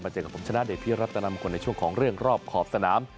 เจอกับผมชนะเดชพิรัตนามงคลในช่วงของเรื่องรอบขอบสนาม